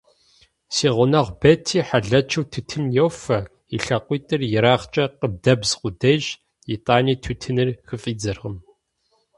Си гъунэгъу Бетти хьэлэчыу тутун йофэ, и лъакъуитӏыр ерагъкӏэ къыдэбз къудейщ, итӏани тутыныр хыфӏидзэркъым.